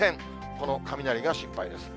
この雷が心配です。